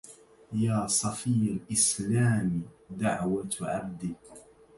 يا صفي الإسلام دعوة عبد